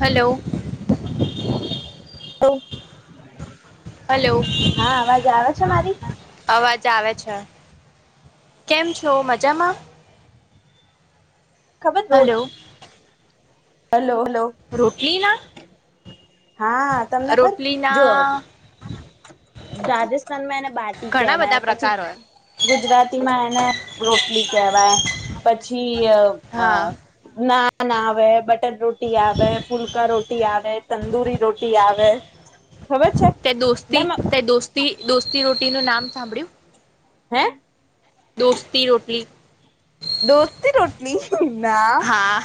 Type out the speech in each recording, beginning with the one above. Hello! તો! Hello મારી અવાજ આવે છે. [inaudible] કેમ છો મજામાં? ખબર રોલ હલો હલો! રોક [inaudible] લીના હા તમને ખર જો રાજસ્થાનમાં એને બાટી ઘણા બધા કેહેવાય પછી પ્રકાર હોય ગુજરાતીમાં એને રોટલી કેહેવાય પછી અ હા ના ના ના આવે બટ ર રોટી આવેૈ ફૂલકા રોટી આવે. તંદુરી રોટી આવે. ખબર છે ત દોસ્તી એટલે ત દોસ્તી દોસ્તી રોટી નું નામ સાંભળ્યું હે. દોસ્તી રોટલી. દોસ્તી રોટલી. ના હા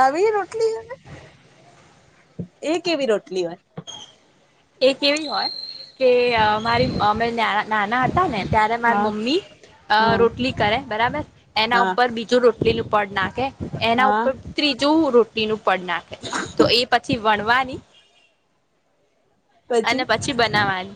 આવી રો. [unintelligible] એ કેવી રોટલી હોય? એક એવી હોય કે અ મારી અમે ન નાના હતા ને ત્યારે માર હા મમ્મી અ હા રોટલી કરે બરાબર એના હા ઉપર બીજું રો લીલું પડ ના કે. એના હા ઉપર ત્રી જું રોટીનું પડ નાખે તો એ પછી વણવા. [inaudible] અને પછી બનાવાની.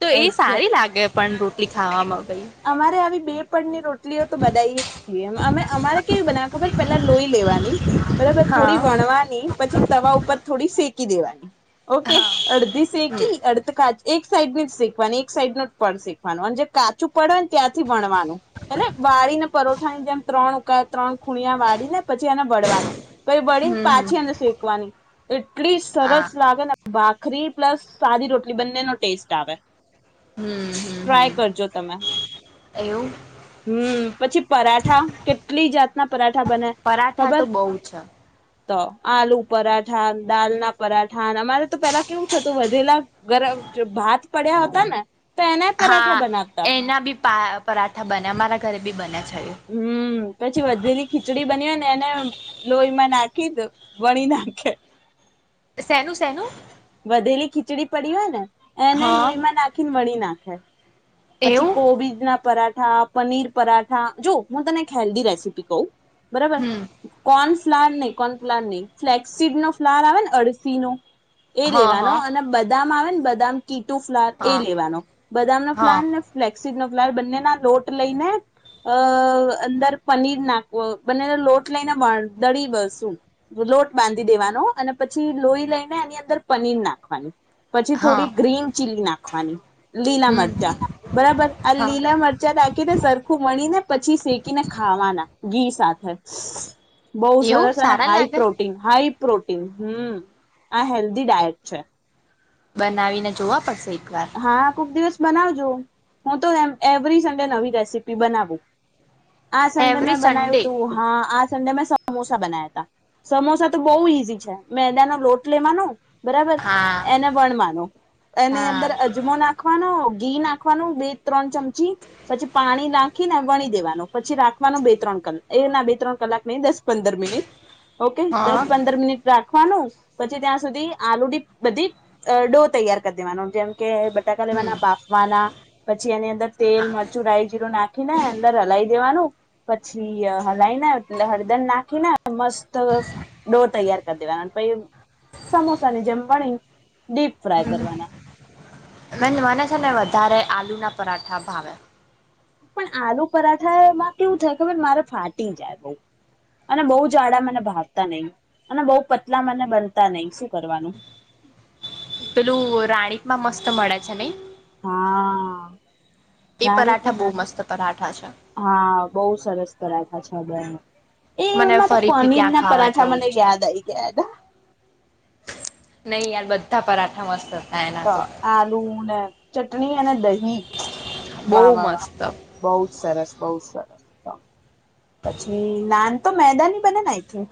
તો એ અચ્છા સારી લાગે. પણ રોટલી ખાવામાં. ભઈ અમારે આવી બે પડની રોટી એટલી તો બધા અમે અમારે કેવી બના ખબર? પેલા લોઈ લેવાની. બરાબર હા થોડી વણવાની પછી તવા ઉપર થોડી સે કી દેવાની ઓકે હા અડધી હમ સેકી અડધ કાચ એક સાઈડ ની જ શીખવાનું એક સાઈડ નું જ પણ શીખવાનું અને જે કાચું પડેને ત્યાંથી વણવાનું હને વાળને પરટ જેમ ત્રણ ક ત્રણ ખૂણિયા વાળી ને પછી એને વળવાનું પઈ વળીને હમ હમ પાછી એને શેકવાની. એટ એટલી હા સરસ લાગે ને ભા ખરી પ્લસ સાદી રોટલી બંને નો ટેસ્ટ આવે હમ હમ હમ ટ્રાય કરજો તમે. એવું હમ્મ પછી પરાઠા કેટલી જાતના પરાઠા બને પરાઠા ખબર તો બહુ છે તો આલુ પરાઠા દાલના પરાઠા અમારે તો પેલા કેવું થતું વધેલા ગરમ ભાત પડ્યા હતા ને તો એનાય પરાઠા હા બનાવતા. એના બી પા પરાઠા બને અ મારા ઘરે બી બને છે. હમ્મ પછી વધેલી ખીચડી બની હોય ને એને લોહીમાં નાખ ખી વણી નાખે સેનું સેનું? વધેલી ખીચડી પડી હોય ને એને હા લોહીમાં નાખીને વળી ના [inaudible] પછી એવું કોબીજ ના પરા ઠા પનીર પરાઠા જો હું તને હેલ્ધી રેસીપી કવ બરોબર હમ કોન્સ ફ્લર નહી કોણ ફ્લર નહી ફ્લેક્સીડ નો ફ્લર આવેને અડસી નો એ હા લેવાનો હા અને બધા આવે ને બદામ કીટુ ફ્લર એ હા લેવાનો બદામનો હા [unintelligible] [unintelligible] નો ફ્લર બંનેના લોટ લઈને અ અંદર પનીર નાખવો બંનેનો લોટ લઈને દળીસું લોટ બાંધી દેવાનો અને પછી લોહી લઈને એની અંદર પનીર નાખવાની પછી હા થોડી ગ્રીન ચીલી નાખ ખવાની લીલા મ હમ રચા બરાબર આ હા લીલા મરચા નાંખીને સરખું વણી ને પછી શેકીને ખાવાના ઘી સાથે બહુ એવું સરસ અને સારા હાઈ લાગે પ્રોટીન હાઈ પ્રોટીન હમ્મ આ હેલ્ધી ડાયટ છે. બનાવી ને જોવા પડશે. એક વાર હા ખુબ દિવસ બનાવજો હું તો એવરી સન્ડે નવી રેસીપી બનાવું. આ સન્ડે એવરી મેં બનાવ્યું સન્ડે તું હા આ સંડે મેં સમોસા બનાવ્યા તા સમોસા તો બહુ ઈઝી છે મેદાનોો લોટ લેવાનો બરાબર હા એને વણવાનૉ એની હા અંદર નાખવાનો ઘી નાખવાનું બે ત્રણ ચમચી પછી પાણી નાખીને વણી દેવાનું પછી રાખવાનું બે ત્રણ કલાક એ ના બે ત્રણ કલાક નહી દસ પંદર મિનિટ ઓકે દસ હા પંદર મિનિટ રાખ નાખવાનું પછી ત્યાં સુધી આલુડી બધી ડો તૈયાર કરી દેવાનો જેમ કે બટાકા હમ લેવાના બાફવાના પછી એની તેલ હા મરચું રાાય જીરું નાખી ને અંદર હલાઈ દેવાનું પછી હલાય ને એટલે હળદર નાખી ને મસ્ત ડો તૈયાર કરી દેવાના પછી સમોસા ની જેમ વણી ડીપ ફ્રાય કરવાના મે મને છે ને વધારે આલુ ના પરાઠા ભાવે પણ આલુ પરાઠામાં કેવું થાય ખર મારે ફાટી જાય બહ અને બહુ જાડા મને ભાવતા નહી અને બહ પતલા મને બનતા નહીિ પેલું રાણીક માં મસ્ત તો મળ છે ન હા એ રાણી પરાઠા બહુ મસ્ત પરાઠા છે હા બહુ સરસ પરાઠા છે બને એ મને એમાં તો ફરીથી પનીર ત્યાં ના ખાવા પરાઠા જવું મને જ છે. યાદ આવી ગયા હા નહી યાર બધા પરાઠા મસ્ત હતા એના તો આલુ ને ચટણી અને દહી વા બહુ વા વા મસ્ત બહુ જ સરસ બહુ સર પછી નાન તો મેદાની બને ને આઈ થિંક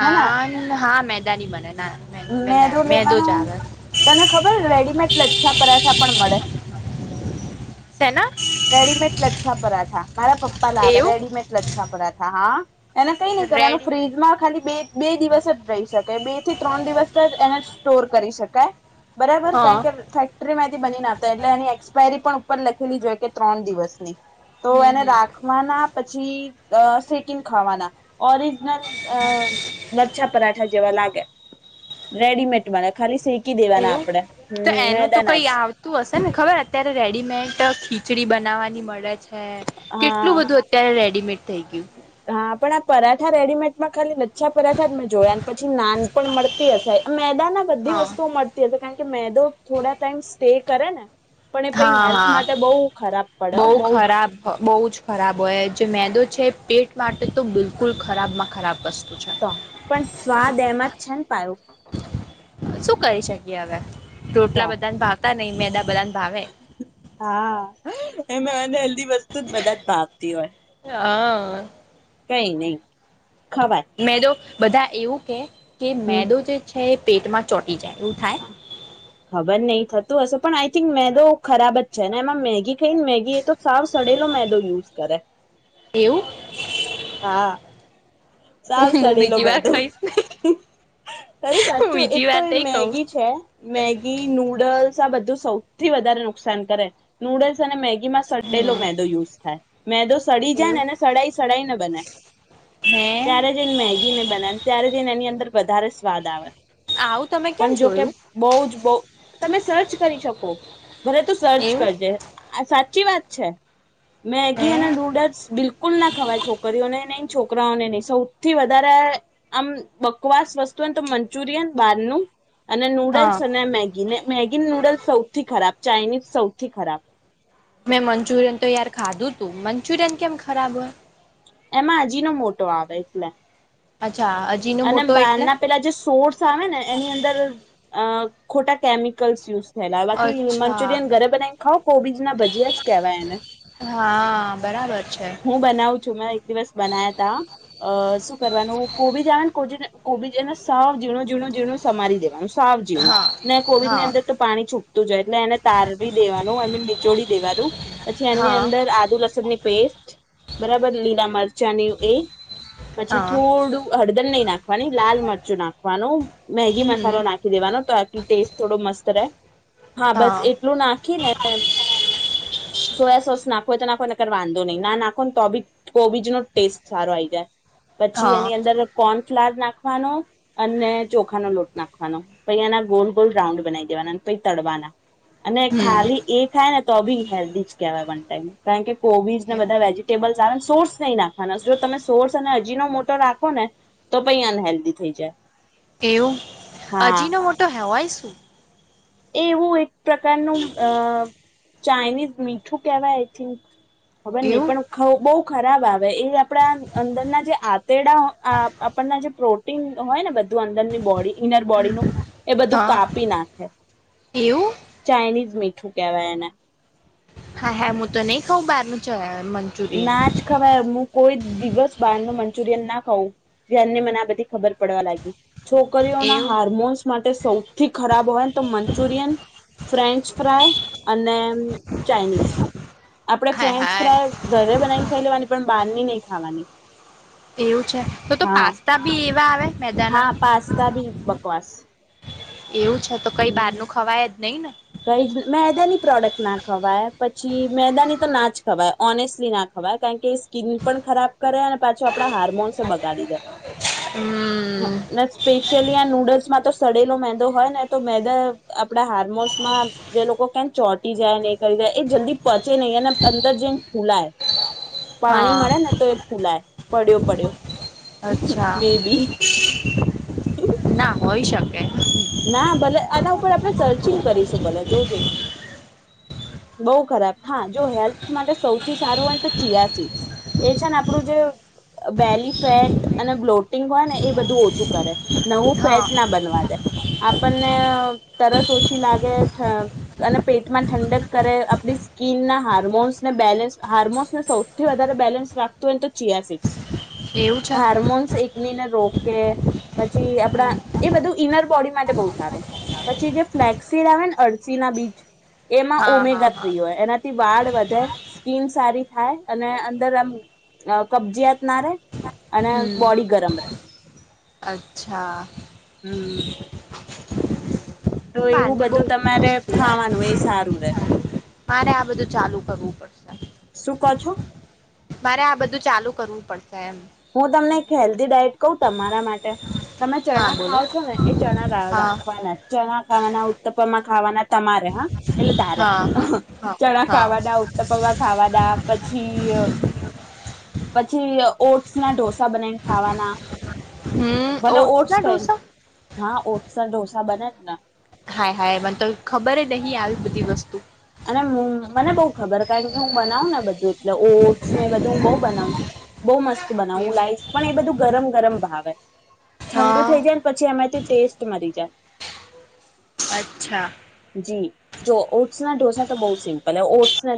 હે ને હા મે દાની મને મેદો લેવાનો તને ખબર રેડીમેડ એટલે અચ્છા પરાઠા પણ મળે સેના રેડીમેટ લચ્છા પરાઠા મારા પપ્પા લાવે એવું રેડીમેટ લચ્છા પરાઠા હા એને કઈ નઈ કરવાનું રેડીમેડ ફ્રીજ માં ખાલી બે બે દિવસ જ રહી શકે બે થી ત્રણ દિવસ જ એને સ્ટોર કરી શકાય બરાબર હા કારણ કે ફેક્ટરી માંથી બની ને આવતા એટલે એની એક્સપાયરી પણ પણ લખેલી જે ડેટ ત્રણ દિવસની તો હમ એને હમ રાખવા ના પછી સેકીન ખાવાના ઓરિજનલ લચ્છા પરાઠા જેવા લાગે રેડીમેડ વાળા ખાલી સે એવું તો એનું તો કઈ જ આવતું હશે ને ખબર અત્યારે રેડીમેડ ખી ખીચડી બનાવવાની મળે છે હે હા કેટલું બધું અત્યારે રે. [unintelligible] હા પણ આ પરાઠા રેડીમેડ માં ખાલી નથ પાચછા પરાખાત મેં જોયા પછી નાન પણ મળતી હશે મેદાના બધી હા વસ્તુઓ મળતી હશે કારણ કે મેદો થોડા ટાઈમ સ્ટે કરે ને પણ એ પઈ હા હેલ્થ માટે બહુ ખરાબ હા પડે બહુ જ ખરાબ બહુ જ ખરાબ હોય જે મેંદો છે પેટ માટે તો બિલકુલ ખરાબ માં ખરાબ વસ્તુ. છે તો પણ સ્વાદ એમાં છે. પાયો શું કરી શકીએ હવે? તો રોટલા બધા ને ભાવતા નહી. મેડા હા. [unintelligible] બધી વસ્તુ જ બધા જ ભાવતી હોય. હા કઈ નહી. ખવાય મેદો બધા એવું કે કે હમ મેદો જે છે એ પેટમાં ચોટી જાય. એવું થાય ખબર નહી થત તો હશે પણ આઈ થિંક મેદો ખરાબ જ છે ને એમાં મેગી ખાઈ ને મેગી એ તો સાવ સડેલો મેદો યુઝ કરે. એવું. હા સાવ એવું હું સડેલો બીજી વાર મેદો ખાઈશ નહી તરે હું સાચું એક બીજી તો વાર નઈ કઉ મેગી છે મેગી નૂડલ્સ છે આ બધું સૌથી વધારે નુકસાન કરે નુડલ્સ અને મેગ એમાં સડેલો મેદો યુઝ થાય. મેડી સડી જાય ને એવું ને સડાઈ સડાઈ ન ને હે ત્યારે જને મેગીને બના ત્યારે જને એની અંદર વધારે સ્વાદ આવે. આવું તમે પણ ક્યાં જોકે જોયું બઉ જ બો તમે સર્ચ કરી શકો ભલે તો સર્ચ એવું કરજે આ સાચી વાત છે. હે મેગી અને નૂડલ્સ બિલકુલ ના ખવાય છો [unintelligible] છોકરાઓને નહી સૌથી વધારે આમ બકવાસ વસ્તુ તો મંચુરિયન બારનું અને હા નૂડલ્સ અને મેગી ને મેગી નૂડલ્સ સૌથી ખરાબ ચાઇનીઝ સૌથી ખરાબ. મેં મંચુરિયન તો યાર ખાધું તું મંચુરિયન કેમ ખરાબ હોય? એમાં અજીનોમોટો આવે એટલે. અચ્છા અજીનો અને મોટો બાર એટલે ના પેલા જે સોર્સ આવે ને એની અંદર અ ખોટા કેમિકલ્સ યુઝ થેલા બાકી અચ્છા મંચુરિયન ઘરે બનાવીને ખાવ કોબીજ ના ભજીયા જ કેવાય એને. હા બરાબર છે હું બનાવું છું મે એક દિવસ બનાયાતા હ અ શું કરવાનું કોબી જ આવે ને કો કોબીજ એને સાવ ઝણુંઝણું ઝીણું સમારી દેવાનું છે. સાફ જીવું હા ને કોવીની હા અંદર તો પાણી છૂપતું જ એટલે એને તારવી દેવાનું આઈ મીન નીચોડી દેવાનું પછી એની હા અંદર આદુ લસણ ની પેસ્ટ બરાબર લીલા મરચાંની એ પછી હા થોડું હળદર ની નાખવાની લાલ મરચું નાખવાનું મેગી હમ મસાલો નાખી દેવાનો તો આટ ટેસ્ટ થોડો મસ્ રે હા બસ એટલું નાખી ને સોયા સોસ નાખ તો નાખો નર વાંધો નહી નાખો ને તો બી કોબીજ નો ટેસ્ટ સારો આઈ જાય પછી હા એની અંદર [unintelligible] નાખવાનો અને ચોખાનો લોટ નાખવાનો પછી એના ગોલ- ગોલ રાઉન્ડ બનાવી દેવાના પઈ તડવાના. અને હમ ખાલી એ થાય ને તો બી હેલ્ધી જ કહેવાય વન ટાઈમ કારણ કે કોબીઝ ને બધા વેજટેબલ [unintelligible] સોર્સ નહી નાખવાના જો તમે સોર્સ અને અજીનોમોટો રાખો ને તો પઈ અનહેેલ્ધી થઈ જાય. એવું અજીનોમોટો હેવોઈ શું એ એવું એક પ્રકારનું અ ચાઇનીઝ મીઠું કેવાય આઈ થિન્ક ખબર નહી એવું પણ ખ બઉ ખરાબ આવે હ એ આપણા અંદરના જે આંતડા આપણના જે પ્રો [unintelligible] હોય ને બધા અંદરની બોડી ઇનર બોડીનું એ બધું કાપી નાખે. એવુ? જ મીઠું કેહેવાય એને. હાય હાય હું તો નહી ખાઉ બહાર ન જ ના જ ખવાઈ હું કોઈ દિવસ બહાર નુ મંચુરિયન ના ખાવું જેને મને આ બધી ખબર પડવા લાગી. છોકરીઓના એવું હાર્મોન્સ માટે સૌથી ખરાબ હોય ને તો મંચુરિયન ફ્રેન્ચ ફ્રાય અને ચાાઈનીઝ આપડે હાય ફ્રેન્ચ હાય ફ્રાય ઘરે બનાવીને ખાઈ લેવાની પણ બહાર ની નહી ખાવાની એવું છે તો તો હા પાસ્તા બી આવે? મેદાના હા પાસ્તા ભી બકવાસ. એવું છે તો કઈ બહાર હમ નું ખવાય નહી ના? કઈ મેદાની પ્રોડક્ટ ના ખવાય પછી મેદાની તો ના જ ખવાય ઓનેસ્ટલી ના ખવાય કારણ કે સ્કીિન પણ ખરાબ કરે અને પાછો આપડા હાર્મોન્સ બગાડી દે હમ અને સ્પેશિયલી હ આ નૂડલ્સમાં તો સડેલો મેંદો હોય ને તો મેંદા આપડા હાર્મોન્સ જે લોકો કમ ચોટી જાય નહી કરી જાય એ જલ્દી પોચે નહીં અને અંદર જેમ ફૂલાય પાણી મળે હા ને તો એ ફૂલાય પડ્યો પડ્યો. અચ્છા મે બી ના હોય શકે. ના ભલે આના ઉપર આપણે સર્ચિંગ કરીશું ભલે જોજે. બઉ ખરાબ હા જો હેલ્થ માટે સૌથી સારું હોય ને તો ચિયાસીડ્ એ છે ને આપણું જે બેલી ફેટ અને બ્લોટિંગ હોય ને એ બધું ઓછું કરે. નવું હા ફેટ ના બનવા દે. આપણે તરસ ઓછી લાગે અને પેટમાં ઠંડક કરે આપણી સ્કીનના હાર્મોન્સને બેલેન્સ હાર્મોન્સને સૌથી વધારે બેલેન્સ રાખતું હોય ને તો ચિયાસીડ્સ. એવું છે હાર્મોન્સ એકની ને રોક કે પછી આપડા હમ એ બધું ઇનર બોડી માટે બહુ સારું પછી જે ફ્લેક્સીડ આવે ને અરસી ના બીજ એમાં હા હા ઓમેગા હા થ્રી હોય એનાથી વાળ વધે સ્કીિન સારી થાય અને અંદર આમ કબજીયાત ના રે અને હમ બોડી ગરમ રે. અચ્છા! હમ્મ. [inaudible] તો એવું બહારની બહુ બધું તમારે વસ્તુ યાર ખાવાનું એ સારું રે મારે આ બધું ચાલુ કરવું પડશે શું ક છો મારે આ બધું ચાલુ કરવું પડશે એમ હું તમને એક હેલ્ધી ડાયટ કઉ તમારા માટે તમે હા ચણા બોલો ખાાવ છો ને એ ચણા હા રાખવાના ચણા ખાવાના ઉત્તપ માં ખાવાના તમારે હા એટલે તારે હા હા ચણા હા ખાવાદા ઉત્તપવા ખાવા દા પછી પછી ઓ ના ડોસ બ ખવા હમ ભલે ઓટ્સ ઓસ ના ઢોસા હા ઓટ ડોસા બ ના હા હા એ મને તો ખબર જ નહીં આવી બધી વસ્તુ અને મને બહ ખબર કને હું બનાવ ને બધું એટલે ઓટસ ને બધું હું બહ બનાવ બહુ મસ્ત બનાવ હું એવું લાઈશ પણ એ બધું ગરમ ગરમ ભાવે ઠંડુ હા થઈ જાય ને પછી એમાંથી ટેસ્ટ મરી જાય અચ્છા જી જો ઓ તો બહુ સિમ્પલ ઓટ્ ને